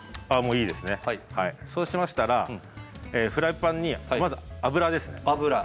そうしましたらフライパンにまず油ですね。